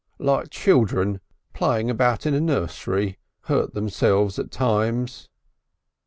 "Like children playing about in a nursery. Hurt themselves at times....